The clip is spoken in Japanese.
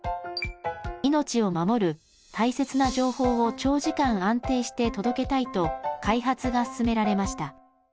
命を守る大切な情報を長時間安定して届けたいと開発が進められました。